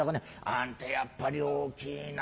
あんたやっぱり大きいな。